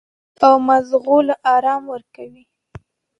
او مزغو له ارام ورکوي -